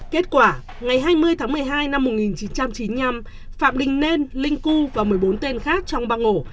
kết quả ngày hai mươi tháng một mươi hai năm một nghìn chín trăm chín mươi năm phạm đình nên linh cu và một mươi bốn tên khác trong băng ổ